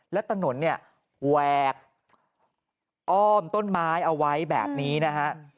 และถนนเนี่ยแหวกอ้อมต้นไม้เอาไว้แบบนี้นะฮะ